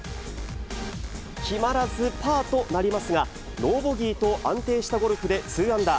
決まらずパーとなりますが、ノーボギーと安定したゴルフでツーアンダー。